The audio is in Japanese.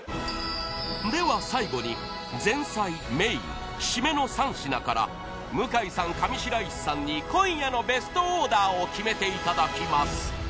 ［では最後に前菜メイン締めの３品から向井さん上白石さんに今夜のベストオーダーを決めていただきます］